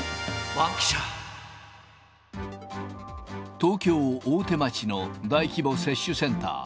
東京・大手町の大規模接種センター。